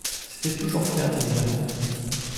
c’était toujours fait intelligemment.